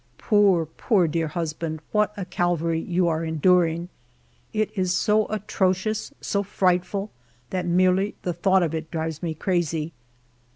Poor, poor dear husband, what a Calvary you are enduring! ... It is so atrocious, so frightful, that merely the thought of it drives me crazy.